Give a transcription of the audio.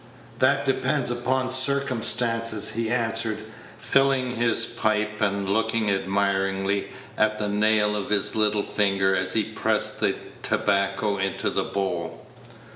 "That depends upon circumstances," he answered, filling his pipe, and looking admiringly at the nail of his little finger as he pressed the tobacco into the bowl.